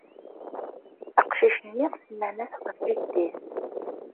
Aqcic-nni semman-as ɣef jeddi-s.